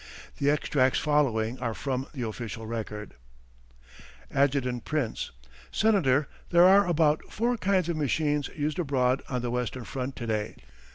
The extracts following are from the official record: Adjt. Prince: Senator, there are about four kinds of machines used abroad on the western front to day.